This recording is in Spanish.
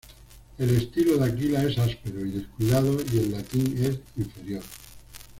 El estilo de Aquila es áspero y descuidado, y el latín es inferior.